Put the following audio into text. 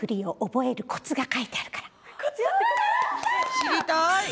知りたい。